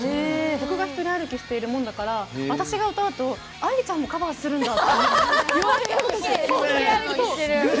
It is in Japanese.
曲が一人歩きしているもんだから私が歌うと愛理ちゃんもカバーするんだっていわれるとこがあって。